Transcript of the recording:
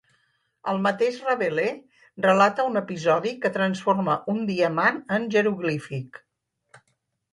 El mateix Rabelais relata un episodi que transforma un diamant en jeroglífic.